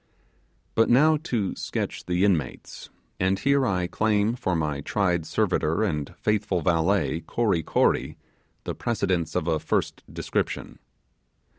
But now to sketch the inmates; and here I claim for my tried servitor and faithful valet Kory Kory the precedence of a first description.